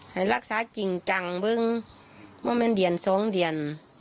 ให้รักษาจริงจังเบิ้งเพราะมันเดียน๒เดียน